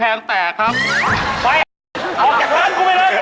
ไปเอาแก่งร้านกูไปเลย